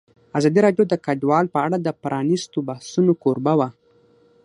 ازادي راډیو د کډوال په اړه د پرانیستو بحثونو کوربه وه.